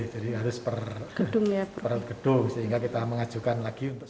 jadi harus per gedung sehingga kita mengajukan lagi untuk semua